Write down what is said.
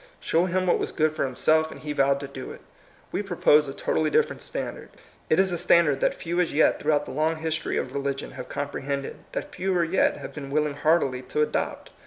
Show him what was good for himself, and he vowed to do it. We pro pose a totally different standai*d. It is a standard that few as yet throughout the long history of religion have comprehended, that fewer yet have been willing heartily to adopt.